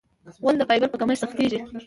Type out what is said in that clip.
غول د فایبر په کمښت سختېږي.